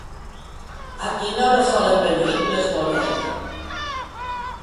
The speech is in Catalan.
A quina hora solen venir les Bonet?